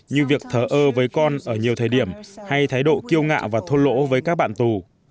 như việc thở ơ với con ở nhiều thời điểm hay thái độ kiêu ngạo và thôn lỗ với các bạn tù